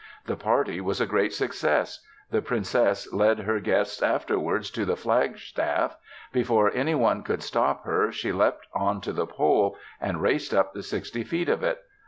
The party was a great success. The princess led her guests afterwards to the flag staff. Before anyone could stop her, she leapt on to the pole and raced up the sixty feet of it.